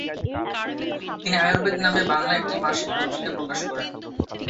তিনি "আয়ুর্বেদ" নামে বাংলায় একটি মাসিক পত্রিকা প্রকাশ করেন।